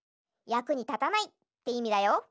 「やくにたたない」っていみだよ。